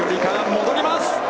戻ります。